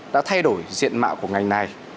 đã thay đổi diện mạo của ngành này